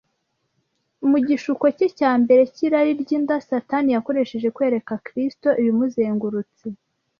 Mu gishuko cye cya mbere cy’irari ry’inda, Satani yakoresheje kwereka Kristo ibimuzengurutse